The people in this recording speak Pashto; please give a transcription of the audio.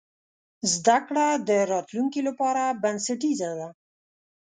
زده کړه د راتلونکي لپاره بنسټیزه ده.